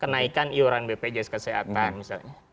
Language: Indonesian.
kenaikan iuran bpjs kesehatan misalnya